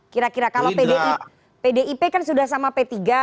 kira kira kalau pdip kan sudah sama p tiga